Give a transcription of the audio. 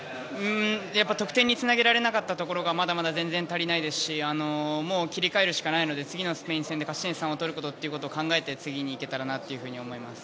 得点につなげられなかったところがまだまだ全然足りないですしもう切り替えるしかないので次のスペイン戦で勝ち点３を取ることを考えて次に行けたらと思います。